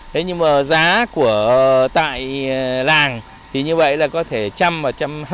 thế nhưng mà giá của tại làng thì như vậy là có thể một trăm linh và một trăm hai mươi